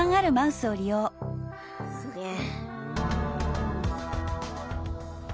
すげえ。